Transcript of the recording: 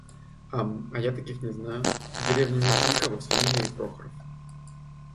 Ам, а я таких не знаю. В деревне нет никого с фамилией Прохоров.